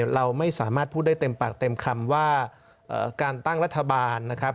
เราไม่สามารถพูดได้เต็มปากเต็มคำว่าการตั้งรัฐบาลนะครับ